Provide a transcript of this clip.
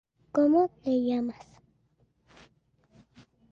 He is the youngest of five children.